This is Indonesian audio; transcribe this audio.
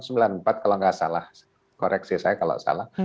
kalau nggak salah koreksi saya kalau salah